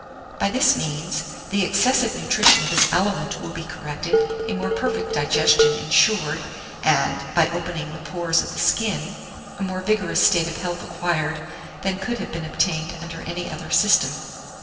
By this means, the excessive nutrition of his aliment will be corrected, a more perfect digestion insured, and, by opening the pores of the skin, a more vigorous state of health acquired than could have been obtained under any other system.